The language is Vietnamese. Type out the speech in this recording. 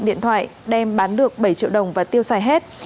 điện thoại đem bán được bảy triệu đồng và tiêu xài hết